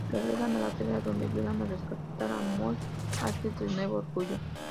Regresan a la Tierra, donde ayudan a rescatar a Molly Hayes del nuevo Orgullo.